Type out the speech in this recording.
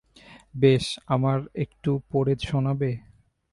বেশ, আমার একটু পড়ে শোনাবে?